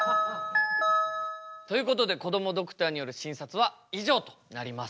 ということでこどもドクターによる診察は以上となります。